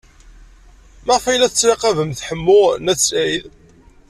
Maɣef ay la tettlaqabemt Ḥemmu n At Sɛid?